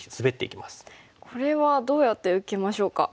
これはどうやって受けましょうか。